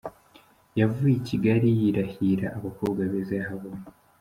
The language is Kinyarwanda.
Yavuye i Kigali yirahira abakobwa beza yahabonye.